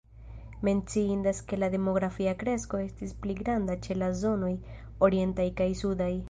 Menciindas ke la demografia kresko estis pli granda ĉe la zonoj orientaj kaj sudaj.